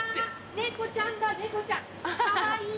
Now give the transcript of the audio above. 猫ちゃんだ猫ちゃんかわいい！